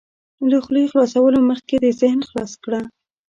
له خولې خلاصولو مخکې دې ذهن خلاص کړه.